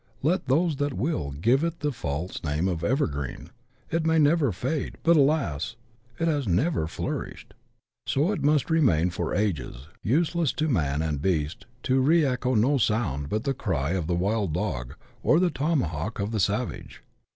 Let those that will give it the false name of evergreen : it may never fade, but, alas ! it has never flourished. So it must remain for ages, useless to man and beast, to re echo no sound but the cry of the wild dog, or tlie tomahawk of the savage.